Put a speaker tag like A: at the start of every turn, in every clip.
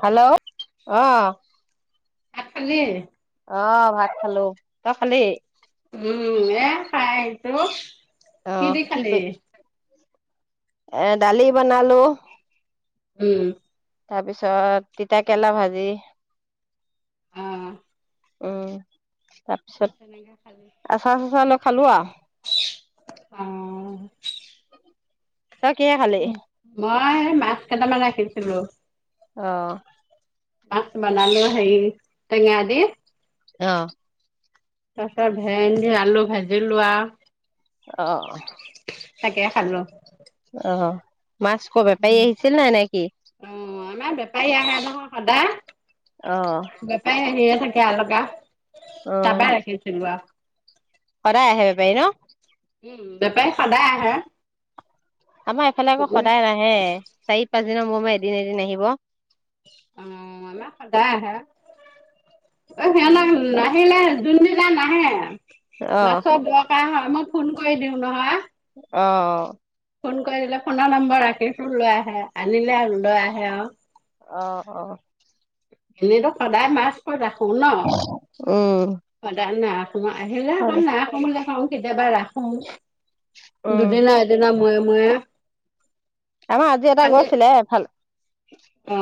A: Hello অ
B: ভাত খালি?
A: অ ভাত খালো তই খালি?
B: উম এ খাই আহিছোঁ কি
A: অ',
B: দি খালি?
A: কৰি এ দালি বনালো।
B: উম
A: তাৰ পিছত তিতা কেৰেলা ভাজি।
B: অ',
A: উম তাৰপিছত
B: তেনেকে খালি।
A: আচাৰ চাচাৰ লৈ খালো আৰু।
B: অ
A: তই কিহে খালি?
B: তাৰ সেই মাছ কেইটামান ৰাখিছিলো।
A: অ
B: মাছ বনালো হেৰি টেঙা দি।
A: অ
B: তাৰপিছত ভেন্দি আলু ভাজিলো আৰু
A: অ
B: তাকে খালো।
A: অ মাছ আকো বেপাৰী আহিছিল নেকি?
B: নাই আমাৰ বেপাৰী আহে নহয়
A: অ'।
B: সদায় বেপাৰী আহিয়ে থাকে তিয়া লগা তাৰ
A: অ',
B: পৰা ৰাখিছিলো আও
A: সদায় আহে বেপাৰি ন
B: উম বেপাৰী সদায় আহে
A: আমাৰ এফালে আকৌ
B: অ',
A: সদায় নাহে চাৰি পাঁচ দিন দিনৰ মূৰে মূৰে এদিন এদিন আহিব
B: অ আমাৰ সদায় আহে অ সিয়ালে
A: উম
B: নাহিলে যোন দিনা নাহে
A: অ',
B: মাছৰ দৰকাৰ হয় মই ফোন কৰি দিওঁ নহয়
A: অ
B: ফোন কৰি দিলে ফোনৰ নম্বৰ ৰাখিছো লৈ আহে আনিলে আৰু লৈ আহে আৰু
A: অ অ
B: এনেতো সদায় মাছ প ৰাখ শু ন
A: উম,
B: সদাই ন আহিলে
A: হয় দে।
B: নাই কম দে খাওঁ কেতিয়াবা ৰা
A: উম,
B: দুদিনা এদিনা ময়ে ময়ে
A: আমাৰ আজি এটা গৈ আছিলে ভাল
B: অ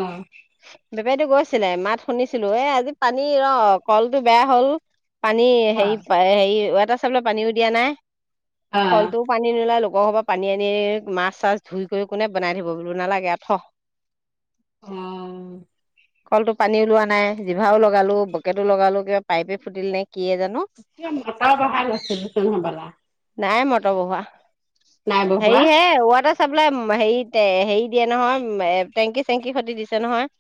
A: বেপাৰীতো গৈছিলে মাত শুনিছিলো এ আজি পানী ৰ কলটো বেয়া হল পানী
B: অ
A: হেৰি হেৰি দ চাবলৈ পানীও দিয়া নাই
B: অ
A: কলটো টো পানী নল লোক পৰৰ পানী আনি মাছ তাছ ধুই কোনে বনাই থাকিবো বোলো নালাগে ঠ
B: অ
A: কলটো পানী ওলোৱা নাই জিভাও লগালো বকেটো লগালোঁ কিবা পাইপে খুলিল নেকি
B: মটৰ বোহাই লৈছিল হৱলা
A: নাই মটৰ বহোৱা
B: বহোৱা
A: হেৰি হে য়াটাৰ বোলে হেৰি হেৰি দিয়ে নহয় টেংকি চেংকি হতি দিছে নহয়।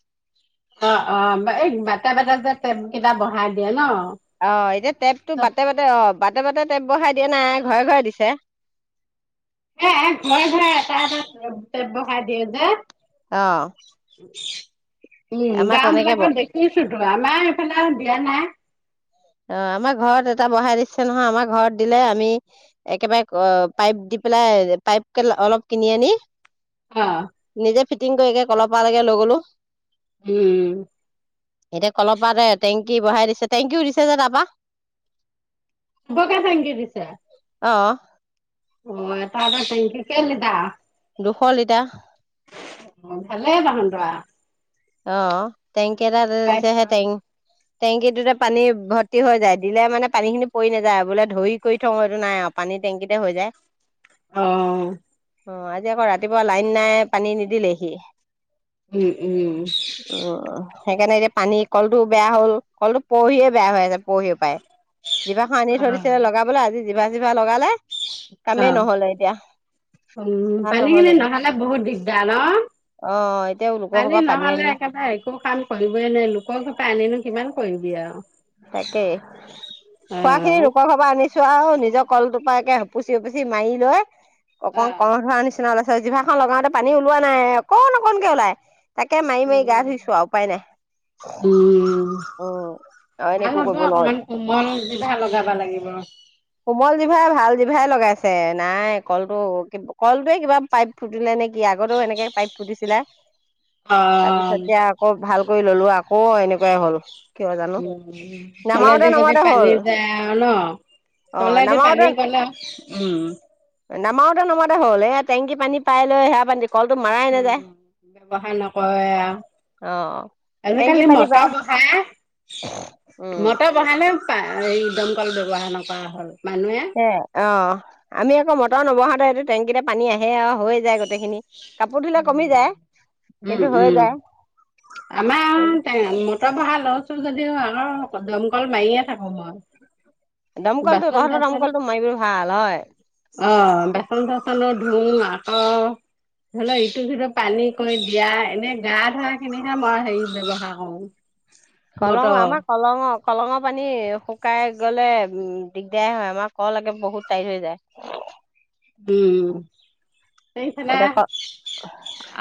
B: অ অ এই বাটা বাটা যে টেপকিটা বঢ়াই দিয়ে ন।
A: অ এতিয়া টেপটো বাটে বাটে অ। বাটে বাটে টেপ বঢ়াই দিয়া নাই ঘৰে ঘৰে দিছে।
B: এ এ ঘৰে ঘৰে এটা এটা টেপ বঢ়াই দিয়ে যে।
A: অ
B: ছ [unintelligible] উম
A: আমাৰ
B: গাওঁ
A: তেনেকে ব
B: বিলাকত দেখিছোতো আমাৰ এইফালে দিয়া নাই।
A: অ আমাৰ ঘৰত এটা বঢ়াই দিছে নহয় আমাৰ ঘৰত দিলে আমি একেবাৰে অ পাইপ দি পেলাই অ। পাইপ কে অলপ কিনি আনি
B: অ
A: নিজেই ফিটিং কৰি কে কল পৰা লৈকে লৈ গলো।
B: উম
A: এতিয়া কলপাতে টেংকি বঢ়াই দিছে টেংকিও দিছে। তাপা [unintelligible]
B: চবকে থেংকিউ দিছে।
A: অহ
B: অ এটা এটা টেংকি কেই লিটা
A: দুশ লিটাৰ
B: [unintelligible]
A: অহ টেংকি এটা
B: পাইছ।
A: যেতিয়া আহে, হে টেং টেংকিটোতে পানী ভৰ্তি হৈ যায়। তেতিয়া মানে পানী খিনি পৰি নাযায়। বোলে ধৰি কৰি থওঁ এইটো নাই আৰু পানী টেংকিতে হৈ যায়।
B: অহ
A: অ আজি আকৌ ৰাতিপুৱা লাইন নাই, পানী নিদিলেহি
B: উম, উম।
A: অ অ সেইকাৰণে এতিয়া পানী কলটো বেয়া হ'ল, কলটো পৰিহে বেয়া হৈ আছে, পৰহি পায়। জিভাখন
B: অ
A: আনি থই দিছে, লগাবলৈ আজি জিভা চিভা লগালে কামেই নহলে এতিয়া
B: অ উম পানী খিনি নহলে বহুত দিগদাৰ নহ,
A: অ এতিয়া লোকৰ ঘৰৰ
B: পানী
A: পৰা
B: ন ইফালে
A: আনি
B: একেবাৰে একো কাম কৰিবই নোৱাৰিম, লোকৰ ঘৰৰ পৰা আনিনো কিমান কৰিম দিয়া
A: তাকেই, খোৱা খিনি লোকৰ ঘৰৰ পৰা আনিছো আৰু নিজৰ কল থোপা তাকে, উপুচি উপুচি মাৰি লয়।
B: অ
A: অকন কন ধৰা নিচিনা ওলা ছে জিভাখন লগাওতে পানী ওলোৱা নাই অকণ অকণকে ওলাই। তাকে মাৰি মাৰি গা
B: উম
A: ধুইছো উপায় নাই
B: উম
A: উম। এনে
B: ভাল
A: একো
B: হ'ব
A: কৰিব
B: অকমান
A: নোৱাৰো
B: কোমল জিভা লগাবা লাগিব
A: কোমল জিভাই ভাল জিভাই লগাইছে নাই কলটো কলটোৱে কিবা পাইপ ফুটিলে নে কি আগতেও এনেকে পাইপ ফুতিছিলে
B: অহ
A: ভাল কৰি ললো আকৌ এনেকুৱাই হ'ল কিয় জানো
B: উম তলেদি
A: নামাওতে
B: দি যদি
A: নামাওতে হ'ল
B: পানী যায় আও
A: অ
B: তলেদি
A: নামাওতে
B: পানী গলে উম
A: নমাওঁতে নমাওঁতে হ'ল এ টেংকি পানী পাই লৈ সেয়া পানী কলটো মাৰাই
B: অ
A: নাযায়
B: ব্যৱহাৰ নকৰে এয়া
A: অ টেংকি
B: আজিকালি
A: পানী
B: মটৰ
A: পায়
B: বহায়
A: উম
B: মটৰ বহালে পা এই উদমকল ব্যৱহাৰ নকৰা হ'ল মানুহে।
A: অ আহ। আমি আকৌ মটৰ নবহাওঁতে এইটো টেংকিতে পানী আহে আৰু, হৈ যায় গোটেইখিনি কাপোৰ ধুলে কমি যায়
B: উম,
A: কিন্তু হৈ
B: উম।
A: যায়।
B: কল চল যদিও হয় এবাৰো নকম দমকল মাৰিয়ে থাকো মই,
A: দমকলটো
B: বাচন
A: তহঁতৰ
B: ধাচন
A: দমকলটো মাৰিবলৈ ভাল হয়
B: অ বাচন ধাচনও ধোঁও আৰ অ ধৰি লোৱা ইটো সিটো পানী কৰি দিয়া, এনে গা ধোৱা খিনিহে মই হেৰি ব্যৱহাৰ কৰো।
A: কলং
B: মটৰ।
A: আমাৰ কলংৰ কলংৰ পানী শুক শুকাই গলে উম দিগদাৰেই হয়, আমাৰ কল একে বহুত টাই হৈ যায় উচহ্
B: উম উ উ এইফালে
A: এতিয়া ক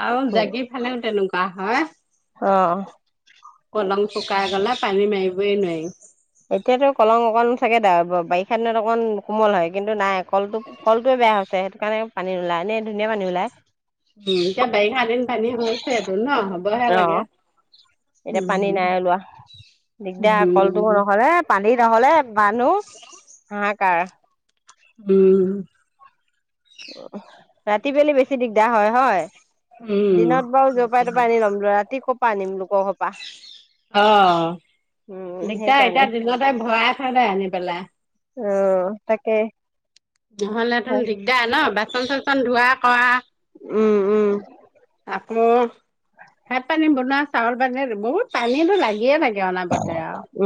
B: আৰু জাগি ফালেও তেনেকুৱা কাহ হয়।
A: অ অ
B: পালং শুকাই গলে পানী মাৰিবই নোৱাৰি।
A: এতিয়াতো কলং অকণ চাগে দাৰ বাৰিষা দিনত অকণ কোমল হয় কিন্তু নাই আকৌ ফলটো ফলটোৱে বেয়া হৈছে। চেহেৰাটোৰ কাৰণে পানী ওলাই নে ধুনীয়া পানী ওলায়।
B: হুম এতিয়া বাৰিষা দিন পানী হৈছে এইটো ন হ'বলেহে লাগে উ
A: এতিয়া পানী
B: উ
A: নাই ওলোৱা
B: উ উ উ উ
A: নহ'লেম বানো শাক। কাৰহা
B: উম উ উ
A: উমহ ৰাতি পেলি বেছি দিগদাৰ হয় হয়।
B: উম
A: দিনত বাৰু যৰপৰাই তৰপৰাই আনি ল'ম ৰাতি কপ পা নিম লোকৰ সোপা।
B: অ দিগদাৰ এতিয়া
A: সেইকাৰণে
B: দিনতে ভৰাই থৈ দে আনি পেলাই।
A: অ তাকে।
B: নহলে তোৰ দিগদাৰ ন বাথ চনচলচন ধোৱা কৰা।
A: উম উম
B: অ ভাত পানী বনোৱা চাউল বানে বহুত পানীতো লাগিয়ে লাগে।
A: অহ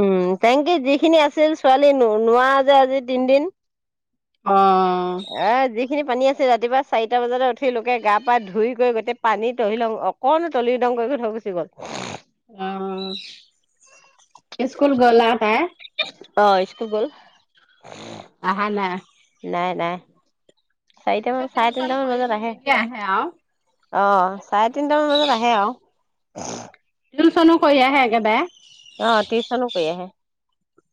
A: উম তেনকে যিখিনি আছিল ছোৱালীনো নোৱাৰে যে আজি তিন দিন।
B: অঅঅ
A: পানী
B: টিয়া।
A: ৰাতিপুৱা চাৰিটা বজাতে উঠি লোকে গা পা ধুইকৈ গোটেই পানী তহিলং অকণো তলিৰদং কৰি থৈ গুচি গ'ল উমসৎ।
B: অ অ অ স্কুল গলা তাই।
A: অ স্কুল গ'ল।
B: আহা নাই।
A: নাই নাই। চাৰিটা মান
B: পিছত
A: চাৰে
B: টিউচন
A: তিনটামান
B: কৰি
A: বজাত আহে
B: মেলি আৰু
A: অঁ চাৰে তিনটামান বজাত আহে আৰু উম
B: টিউচনো কৰি কৈ আহে একেবাৰে
A: অ', টিউচনো কৰি আহে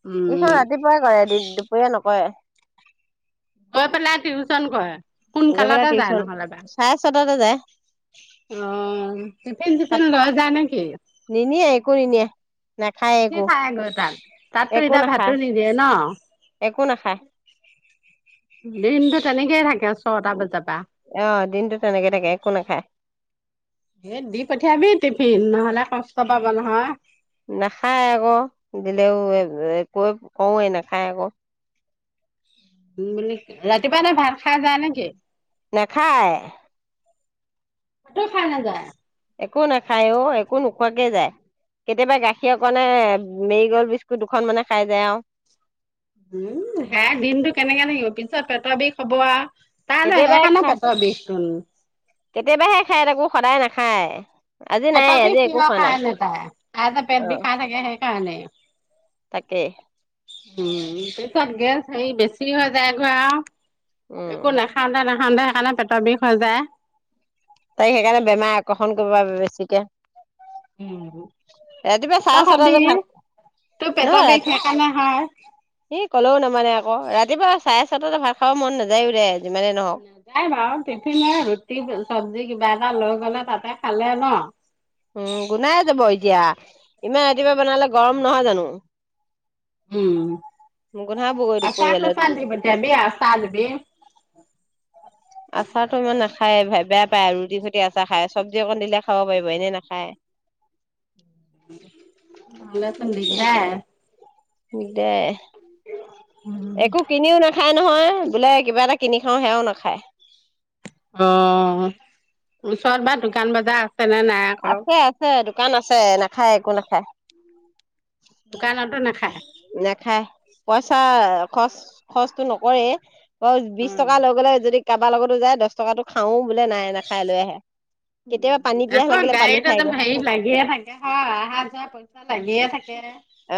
B: উম
A: ৰাতিপুৱাই কৰে দুপৰীয়া নকৰে
B: গৈ পেলাই টিউচন কৰে সোনকালতে যায় নহ'লে বা
A: কিহত যাই
B: অঁ তিফিন চিফিন
A: সাত
B: লৈ যায় নেকি
A: নিনিয়ে একো নিনিয়ে নাখায়
B: কি
A: একো
B: খাই আগতাল তাতো
A: একো
B: এতিয়া ভাতো
A: নাখায়
B: নিদিয়ে ন
A: একো নাখায়
B: দিনতটো তেনেকৈইে থাকে ছটা বজাৰ পৰা
A: অ', দিনটো তেনেকে থাকে একো নাখায়।
B: এ দি পঠিয়াবি টিফিন নহলে পাঁচটা বন হয়
A: নাখায় আকৌ দিলেওঁ কৈ কওঁৱেই নাখায় আকৌ
B: বুলি ৰাতিপুৱা ন ভাত খাই যায় নেকি
A: নাখায়
B: কটো খাঁই নাযায়
A: একো নাখায় অঁ একো ন নোখোৱাকৈ যায় কেতিয়াবা গাখীৰ অকনণে মেৰি গ'ল্ড বিস্কুট দুখন মানে খাই যায় আৰু
B: উম হে দিনতটো কেনেকৈ থাকিব পিছত পেট বিষ হব তাই
A: কেতিয়াবাই
B: সেইকাৰণে
A: খাই
B: পেটৰ বিষটোন
A: কেতিয়াবাহে খায় তাকো সদায় নাখে খাই
B: পেটৰ বিষ কিহৰ কাৰণে তাই, খাই লৈ
A: অ
B: পেট বিষাই থাকে হে কিহৰ কাৰণে
A: তাকেই
B: উম পাছত গেছ সেই বেছি হৈ যায় গৈ আৰু
A: উম
B: একো নাখাওঁতে নাখাওঁতে সেইকাৰণে পেটৰ বিষ হৈ যায়
A: ফোন কৰিব বাবে বেছিকৈ
B: উম,
A: ৰাতিপুৱা
B: তই
A: চাই চটা
B: খাবি,
A: যে ভাল
B: তোৰ
A: ন
B: পেটৰ বিষ সেইকাৰণে হয়।
A: ই কলেওঁ নামানে আকৌ ৰাতিপুৱা চাই ভাত খাব মন নযায়
B: নাযায় বাৰ টিফিন ৰুটি চব্জি কিবা এটা লৈ গলে তাতে খালে ন
A: উম গুনাইছে যাব এতিয়া ইমান ৰাতিপুৱা বনালে গৰম নহয় জানো গোন্ধাবগৈ দুপৰীয়ালৈ
B: উম
A: আচাৰটো ইমান নাখায় বেয়া পায় আৰু ৰুটি খুটি আচাৰ খায়, চব্জি অকণ দিলে খাব পাৰিব এনে নাখায়।
B: উম। [unintelligible]
A: দে। একো কিনিও নাখায় নহয়। বোলে কিবা এটা কিনি খাওঁ, সেয়াও নাখায়।
B: অ, ওচৰত বা দোকান, বজাৰ আছে, নে নাই আকৌ?
A: আছে আছে দোকান আছে, নাখায় একো নাখায়।
B: দোকানতো নাখায়।
A: নেখায়, পইচা খৰচ, খৰচটো নকৰে। অ, বিশ
B: উম।
A: টকা লৈ গলে যদি কাৰোবাৰ লগতো যায়, দহ টকাতো খাওঁ বোলে নাই না খাই লৈ আহে।
B: উ
A: কেতিয়াবা পানী পিয়াহ
B: আকৌ
A: লাগিলে পানী
B: গাড়ীত যে
A: খাইগৈ
B: হেৰি লাগিয়ে থাকে হয় অহা যোৱা পইচা লাগিয়ে থাকে।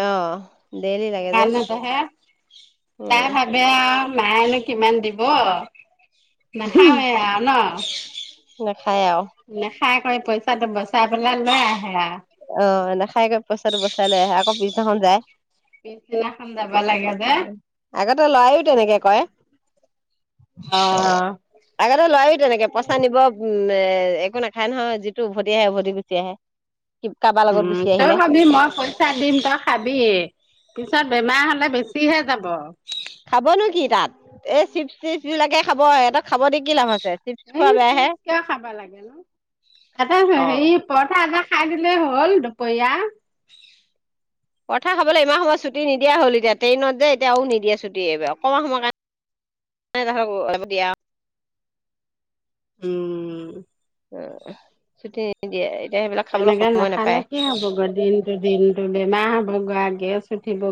A: অ ডেইলি লাগে যে
B: তাই
A: উম
B: ভাবে আৰু মায়নো কিমান দিব? নাখামেওঁ ন!
A: খাই আৰু
B: খাই কৰি পইচাটো বচাই পেলাই লৈ আহে আৰু
A: অঁ এনে খাই গৈ পইচাটো বচাই লে আকৌ পিছদিনাখন যায়।
B: পিছদিনাখন যাব লাগে যে
A: আগতে লৰাও তেনেকে কয়।
B: অঁ
A: ত লয়ো তেনেকে পইচা নিব এ একো নাখায় নহয় যিটো উভতি আহে উভতি গুচি আহে। কাৰোবাৰ লগত
B: উম
A: গুচি
B: তই
A: আহিলে
B: ভাবি মই পইচা দিম তই খাবি পিছত বেমাৰ হ'লে। লে বেছিহে যাব।
A: খাবনো কি তাত এই চিপচ চিপছ বিলাকে খাব ইহঁত খাব দ কি লাভ আছে। চিপছ
B: এই
A: খোৱা বেয়াহে
B: চিপচ কিয় খাব লাগে নো এটা
A: অ
B: হে পৰঠা এটা খাই দিলে হ'ল দুপৰীয়া
A: পৰথা খাবলৈ ইমান সময়ত ছুটি নিদিয়া হল এতিয়া ট্ৰেইনত যে এতিয়াও আও নিদিয়া ছুটিব অকণমান সময় কাৰণে [unintelligible]
B: উম
A: অ চুটি নিদিয়ে এতিয়া সেইবিলাক খাবলৈ
B: তেনেকে
A: সময়
B: নাখালে
A: নাপায়
B: কি হ'ব গ দিনটো দিনটো বেমাৰ [unintelligible] গেছ উঠিব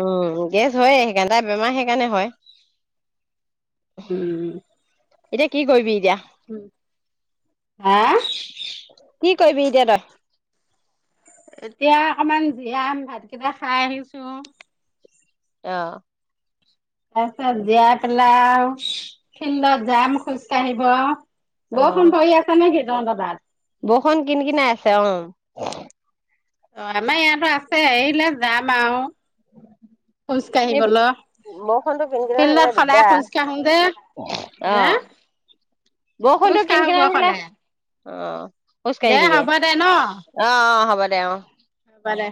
A: উম গেছ হয়ে সেইকাৰণ সদায় বেমাৰ সেইকাৰণে হয়
B: উম
A: এতিয়া কি কৰিবি? এতিয়া
B: উম, হা?
A: কৈবি এতিয়া তই
B: এতিয়া অকমান জিৰাম ভাতকেইটা খাই আহিছো।
A: ত
B: তাছত জীয়াই পেলাই ফিল্ডত যাম খোজ কাঢ়িব।
A: অ অ
B: বৰষুণ পই আছে নে সি [unintelligible]
A: বৰষুণ কিন কিনাই আছে অ। [unintelligible]
B: অ আমাৰ ইয়াতো আছে এৰিলে যাম আও। খোজ
A: এই
B: কঢ়িবল,
A: বৰষুণটো কিন কিনাই থাকিলে
B: ফিল্ডত সদাই
A: দিগদাৰ।
B: খোজ কাঢ়োং দে,
A: অ
B: হে?
A: বৰষুণটো
B: খোজ
A: কিন
B: কাঢ়ো
A: কিনাই
B: গ
A: থাকিলে
B: সদাই।
A: অ। খোজ কাঢ়িবিগে অ অ হ'ব দে অ।
B: পাৰে।